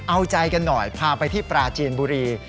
เอาใจกันหน่อยพาไปที่ปราจีนบุรี